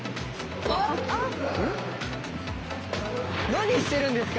何してるんですか？